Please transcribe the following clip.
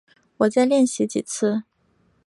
我再练习几次